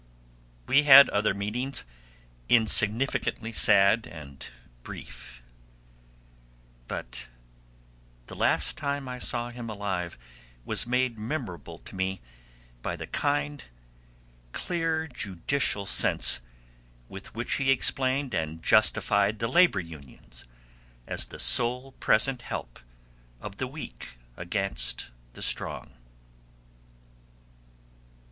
We had other meetings, insignificantly sad and brief; but the last time I saw him alive was made memorable to me by the kind, clear judicial sense with which he explained and justified the labor unions as the sole present help of the weak against the strong.